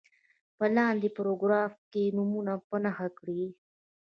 په لاندې پاراګراف کې نومونه په نښه کړي.